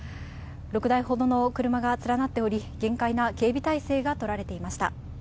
６台ほどの車が連なっており、厳戒な警備態勢が取られていました。